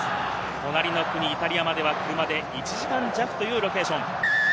隣の国イタリアまでは、車で１時間弱というロケーション。